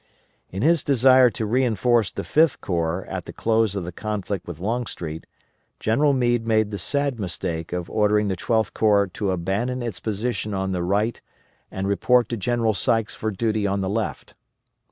In his desire to reinforce the Fifth Corps at the close of the conflict with Longstreet, General Meade made the sad mistake of ordering the Twelfth Corps to abandon its position on the right and report to General Sykes for duty on the left.